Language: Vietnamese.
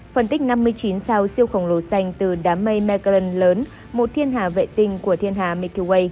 phân tích năm mươi chín sao siêu khổng lồ xanh từ đám mây magellan lớn một thiên hà vệ tinh của thiên hà milky way